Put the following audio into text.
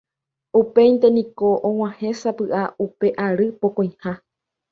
Upéinte niko oguahẽsapy'a upe ary pokõiha